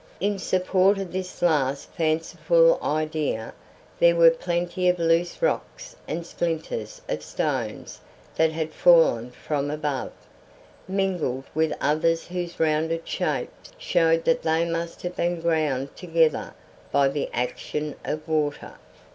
In support of this last fanciful idea there were plenty of loose rocks and splinters of stones that had fallen from above, mingled with others whose rounded shapes showed that they must have been ground together by the action of water.